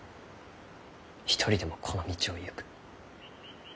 一人でもこの道を行く。